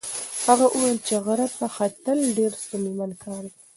هغه وویل چې غره ته ختل ډېر ستونزمن کار دی.